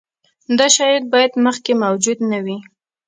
دا شی باید مخکې موجود نه وي.